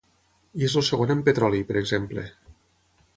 I és el segon en petroli, per exemple.